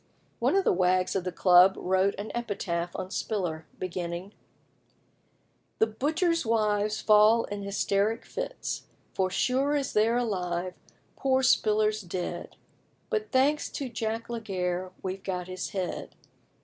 One of the wags of the club wrote an epitaph on Spiller, beginning "The butchers' wives fall in hysteric fits, For sure as they're alive, poor Spiller's dead; But, thanks to Jack Laguerre, we've got his head.